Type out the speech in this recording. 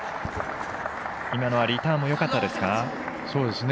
今のはリターンもよかったですか？